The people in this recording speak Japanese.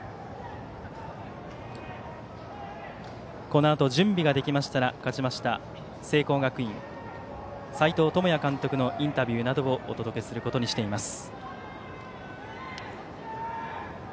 このあと準備ができましたら勝ちました、聖光学院斎藤智也監督のインタビューなどお届けすることにしています。